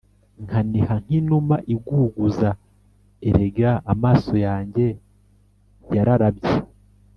nkaniha nk inuma iguguza Erega amaso yanjye yararabye